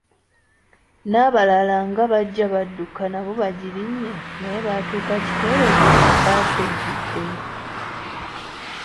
Nabalala nga bajja badduka nabo bajirinye naye baatuuka kikeerezi nga bbaasi ejjudde.